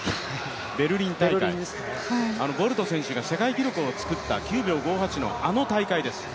ベルリン大会、ボルト選手が世界記録を作った９秒５８のあの大会です。